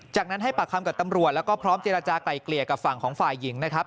จากนั้นให้ปากคำกับตำรวจแล้วก็พร้อมเจรจากลายเกลี่ยกับฝั่งของฝ่ายหญิงนะครับ